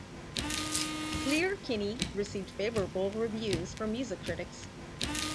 "Sleater-Kinney" received favorable reviews from music critics.